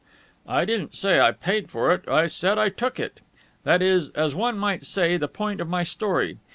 "I didn't say I paid for it. I said I took it. That is, as one might say, the point of my story.